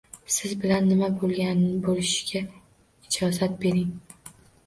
Siz bilan nima bo'lganini bo'lishishga ijozat bering